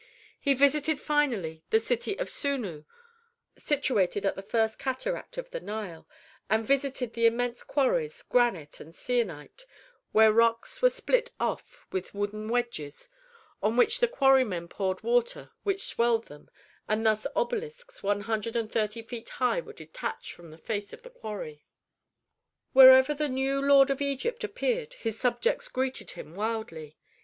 He visited finally the city of Sunnu, situated at the first cataract of the Nile, and visited the immense quarries, granite and sienite, where rocks were split off with wooden wedges on which the quarrymen poured water which swelled them, and thus obelisks one hundred and thirty feet high were detached from the face of the quarry. [Illustration: Tomb of a Pharaoh in the Libyan Hills] Wherever the new lord of Egypt appeared his subjects greeted him wildly.